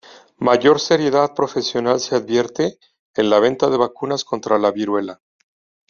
Mayor seriedad profesional se advierte en la venta de vacunas contra la viruela.